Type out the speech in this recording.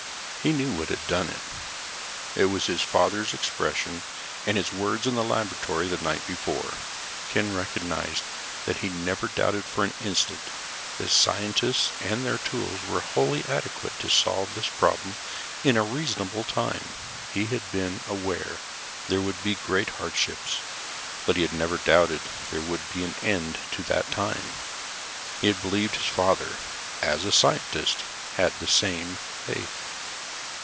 He knew what had done it. It was his father's expression and his words in the laboratory the night before. Ken recognized that he had never doubted for an instant that scientists and their tools were wholly adequate to solve this problem in a reasonable time. He had been aware there would be great hardships, but he had never doubted there would be an end to that time. He had believed his father, as a scientist, had the same faith.